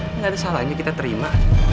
tidak ada salahnya kita terima